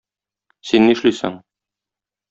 син нишлисең?